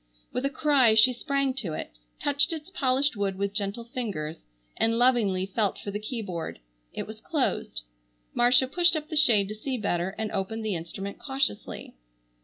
With a cry she sprang to it, touched its polished wood with gentle fingers, and lovingly felt for the keyboard. It was closed. Marcia pushed up the shade to see better, and opened the instrument cautiously.